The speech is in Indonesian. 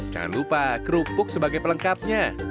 jangan lupa kerupuk sebagai pelengkapnya